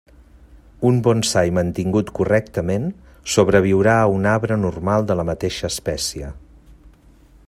Un bonsai mantingut correctament sobreviurà a un arbre normal de la mateixa espècie.